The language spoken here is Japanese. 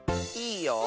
いいよ。